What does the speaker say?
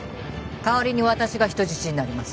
代わりに私が人質になります。